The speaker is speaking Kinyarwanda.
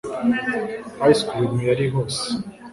ice cream yari hose